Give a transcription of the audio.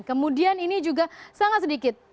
kemudian ini juga sangat sedikit